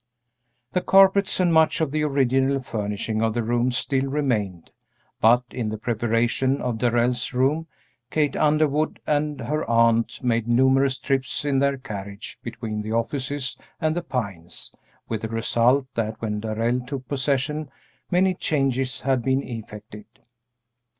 The carpets and much of the original furnishing of the rooms still remained, but in the preparation of Darrell's room Kate Underwood and her aunt made numerous trips in their carriage between the offices and The Pines, with the result that when Darrell took possession many changes had been effected.